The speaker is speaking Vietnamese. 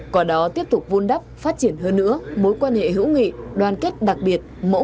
quả đó tiếp tục vun đắp phát triển hơn nữa mối quan hệ hữu nghị đoàn kết đặc biệt